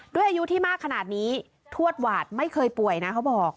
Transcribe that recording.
อายุที่มากขนาดนี้ทวดหวาดไม่เคยป่วยนะเขาบอก